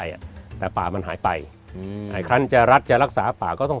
อ่ะแต่ป่ามันหายไปอืมไอ้คันจะรัดจะรักษาป่าก็ต้อง